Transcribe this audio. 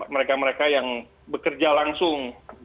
mereka mereka yang bekerja langsung